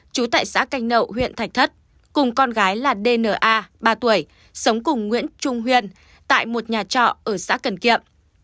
trú tại xã canh nậu huyện thạch thất cùng con gái là đn a ba tuổi sống cùng nguyễn trung huyền tại một nhà trọ ở xã cần kiệm